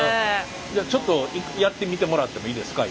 ちょっとやってみてもらってもいいですか？